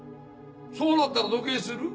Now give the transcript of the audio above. そうなったらどねぇする？